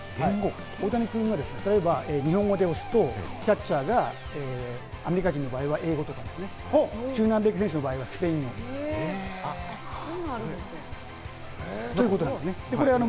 大谷君が例えば日本語で押すと、キャッチャーがアメリカ人の場合は英語とか、中南米選手の場合はスペイン語ということなんですね。